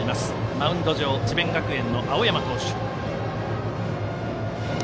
マウンド上、智弁学園の青山投手。